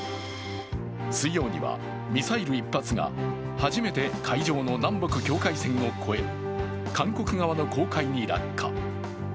水曜には、ミサイル１発が初めて海上の南北境界線を越え、韓国側の公海に落下。